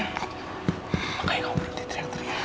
makanya kamu berhenti teriak teriak